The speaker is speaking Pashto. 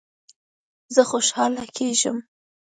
زه خوشحاله کیږم